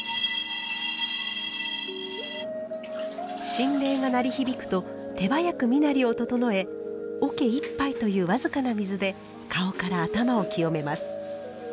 振鈴が鳴り響くと手早く身なりを整え桶一杯という僅かな水で顔から頭を清めます。